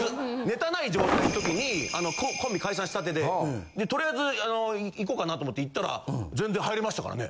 ネタない状態の時にコンビ解散したてでとりあえずあの行こうかなと思って行ったら全然入れましたからね。